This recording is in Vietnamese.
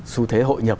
xu thế hội nhập